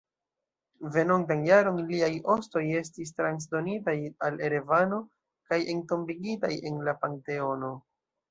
Venontan jaron liaj ostoj estis transdonitaj al Erevano kaj entombigitaj en la Panteono.